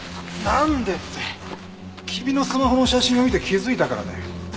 なんでって君のスマホの写真を見て気づいたからだよ。